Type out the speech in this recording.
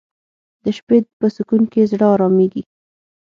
د شپې په سکون کې زړه آرامیږي